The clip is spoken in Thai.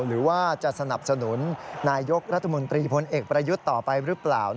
หรือว่าจะสนับสนุนนายกรัฐมนตรีพลเอกประยุทธ์ต่อไปหรือเปล่า